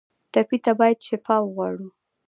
ټپي ته باید شفا وغواړو.